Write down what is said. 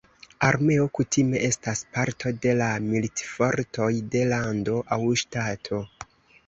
Armeo kutime estas parto de la militfortoj de lando aŭ ŝtato.